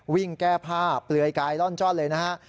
แก้ผ้าเปลือยกายร่อนจ้อนเลยนะฮะ